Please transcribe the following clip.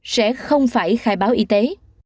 sẽ không phải khai báo y tế